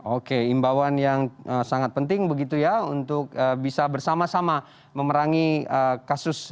oke imbauan yang sangat penting begitu ya untuk bisa bersama sama memerangi kasus